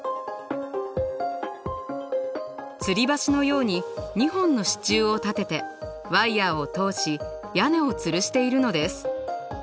つり橋のように２本の支柱を立ててワイヤーを通し屋根をつるしているのです。